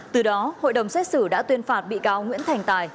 từ đó hội đồng xét xử đã tuyên phạt bị cáo nguyễn thành tài